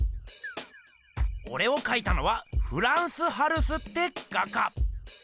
オレをかいたのはフランス・ハルスって画家。